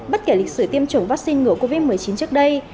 bất kể lịch sử tiêm chủng vaccine ngừa covid một mươi chín trước đây